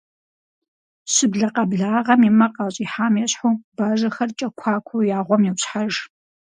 Щыблэ къэблагъэм и мэр къащӏихьам ещхьу, бажэхэр кӏэкуакуэу я гъуэм йопщхьэж.